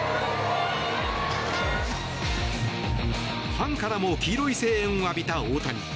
ファンからも黄色い声援を浴びた大谷。